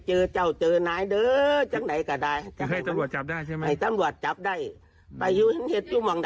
โอ้โฮสงสารยายเข้าใจกว่าอกยายเลย